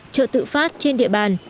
chợ tự phát trên địa bàn